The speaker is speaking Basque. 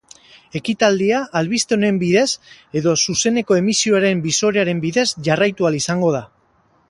Ekitaldia albiste honen bidez edo zuzeneko emisioaren bisorearen bidez jarraitu ahal izango da.